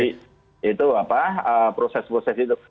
jadi itu apa proses proses itu